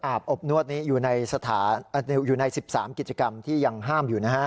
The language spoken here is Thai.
อาบอบนวดนี้อยู่ใน๑๓กิจกรรมที่ยังห้ามอยู่นะฮะ